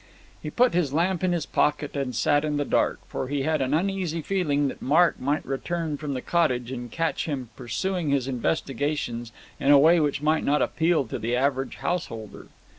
He put his lamp in his pocket and sat in the dark, for he had an uneasy feeling that Mark might return from the cottage and catch him pursuing his investigations in a way which might not appeal to the average householder.